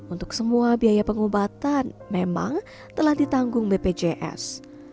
untuk semua biaya pengobatan memang telah ditanggung bpjs